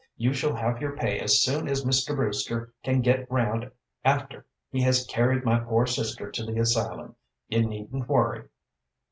You shall have your pay as soon as Mr. Brewster can get round after he has carried my poor sister to the asylum. You needn't worry."